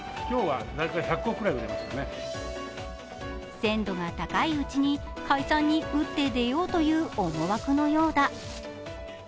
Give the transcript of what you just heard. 鮮度が高いうちに解散に打って出ようという思惑のようだ。